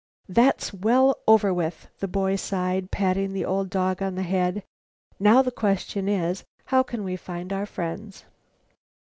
"That's well over with," the boy sighed, patting the old dog on the head. "Now the question is, how can we find our friends?"